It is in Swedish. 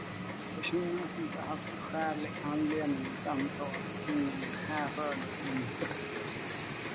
Personen har alltså inte haft skälig anledning att anta att pengarna härrörde från brott.